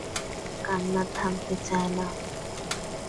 নীরজার কান্না থামতে চায় না।